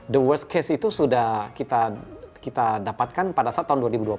the worst case itu sudah kita dapatkan pada saat tahun dua ribu dua puluh